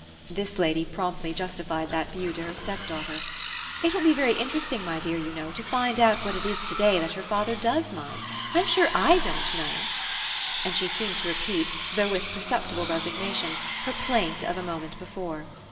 This lady promptly justified that view to her stepdaughter. "It will be very interesting, my dear, you know, to find out what it is to day that your father does mind. I'm sure I don't know!" and she seemed to repeat, though with perceptible resignation, her plaint of a moment before.